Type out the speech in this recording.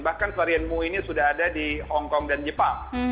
bahkan varian mu ini sudah ada di hongkong dan jepang